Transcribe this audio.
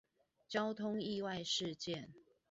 交通意外事件